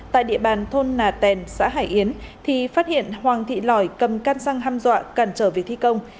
tại địa bàn thôn nà tèn xã hải yến thì phát hiện hoàng thị lòi cầm can xăng ham dọa cản trở việc thi công